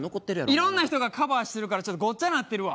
いろんな人がカバーしてるからちょっとごっちゃになってるわ。